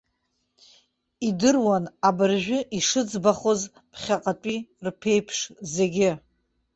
Идыруан абыржә ишыӡбахоз ԥхьаҟатәи рԥеиԥш зегьы.